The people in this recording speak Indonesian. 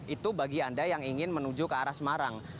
itu bagi anda yang ingin menuju ke arah semarang